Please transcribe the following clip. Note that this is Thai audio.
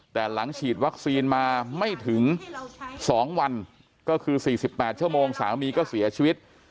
แต่หลังฉีดวัคซีนมาไม่ถึง๒วันก็คือ๔๘ชั่วโมงสามีก็เสียชีวิต